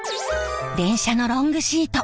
電車のロングシート